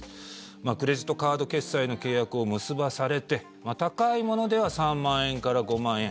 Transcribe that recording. クレジットカード決済の契約を結ばされて高いものでは３万円から５万円。